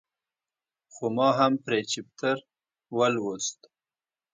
خو ما هم پرې چپټر ولوست.